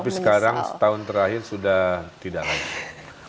tapi sekarang setahun terakhir sudah tidak ada